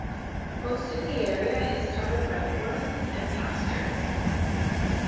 Most of the area is covered by forests and pastures.